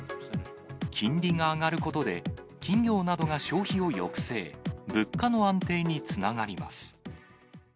金利が上がることで、企業などが消費を抑制、物価の安定につながります。